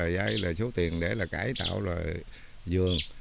giấy số tiền để cải tạo vườn